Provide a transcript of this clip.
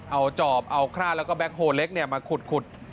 เอาจอบเอาคราดแล้วก็แก๊คโฮเล็กมาขุด